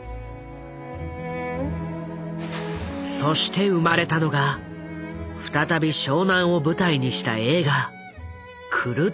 そして生まれたのが再び湘南を舞台にした映画「狂った果実」。